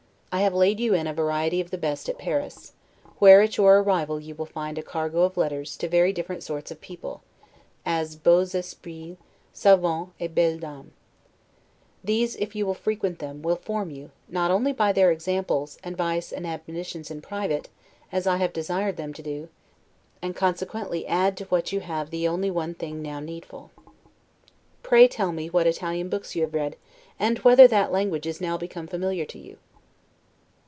I have laid you in variety of the best at Paris, where, at your arrival you will find a cargo of letters to very different sorts of people, as 'beaux esprils, savants, et belles dames'. These, if you will frequent them, will form you, not only by their examples, advice, and admonitions in private, as I have desired them to do; and consequently add to what you have the only one thing now needful. Pray tell me what Italian books you have read, and whether that language is now become familiar to you.